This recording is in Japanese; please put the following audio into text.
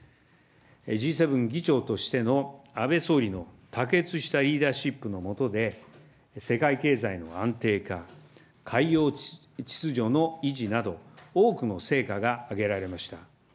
Ｇ７議長としての安倍総理の卓越したリーダーシップの下で、世界経済の安定化、海洋秩序の維持など、多くの成果が挙げられました。